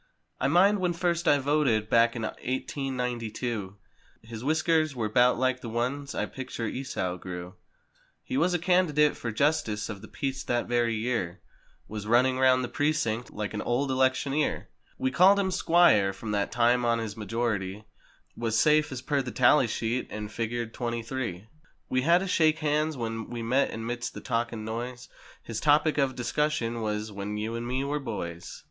I mind when first I voted back in eighteen ninety two. His whiskers were 'bout like the ones I picture Esau grew. He was candidate for Justice of tht Peace that very year Was running round the precinct like an old elec¬ tioneer. We've called him "Squire" from that time on as his majority Was safe, as per the tally sheet, and figured "23." 52 We had a shake hands when we met and midst the talk and noise His topic of discussion was—"When you and me were boys!"